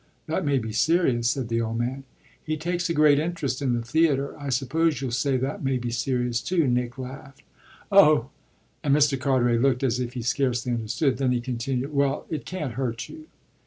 "That may be serious," said the old man. "He takes a great interest in the theatre. I suppose you'll say that may be serious too," Nick laughed. "Oh!" and Mr. Carteret looked as if he scarcely understood. Then he continued; "Well, it can't hurt you."